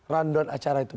randoan acara itu